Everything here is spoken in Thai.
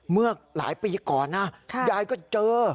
เมื่อหลายปีก่อนนะยายก็เจอ